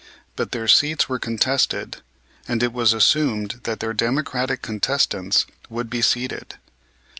But their seats were contested, and it was assumed that their Democratic contestants would be seated.